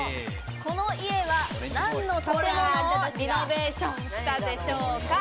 この家は何の建物をリノベーションしたでしょうか？